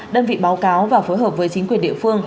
đơn vị báo cáo và phối hợp với chính quyền địa phương